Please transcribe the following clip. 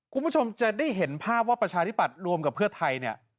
คุณผู้ชมจะได้เห็นภาพว่าประชาธิปัตย์รวมกับเพื่อไทยเนี่ย